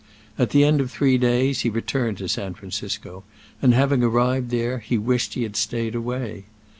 At the end of three days he returned to San Francisco, and having arrived there he wished he had stayed away.